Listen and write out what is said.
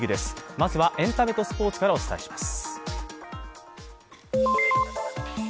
まずはエンタメとスポーツからお伝えします。